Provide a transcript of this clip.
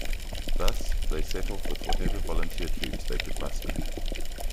Thus, they set off with whatever volunteer troops they could muster.